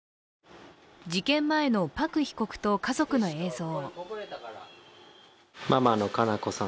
事件前のパク被告と家族の映像。